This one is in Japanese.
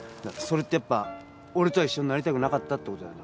それってやっぱ俺とは一緒になりたくなかったってことだよな？